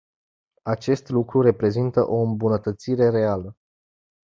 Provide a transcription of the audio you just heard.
Acest lucru reprezintă o îmbunătățire reală.